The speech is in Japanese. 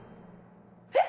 えっ？